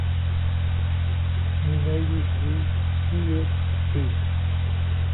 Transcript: Mineiros do Tietê